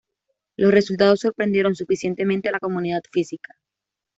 Los resultados sorprendieron suficientemente a la comunidad física.